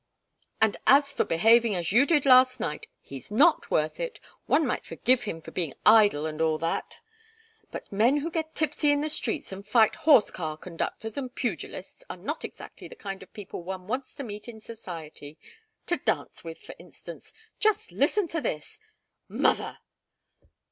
"And as for behaving as you did last night he's not worth it. One might forgive him for being idle and all that but men who get tipsy in the streets and fight horse car conductors and pugilists are not exactly the kind of people one wants to meet in society to dance with, for instance. Just listen to this " "Mother!"